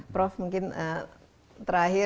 prof mungkin terakhir ya